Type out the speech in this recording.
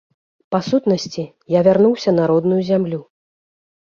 Па сутнасці, я вярнуўся на родную зямлю.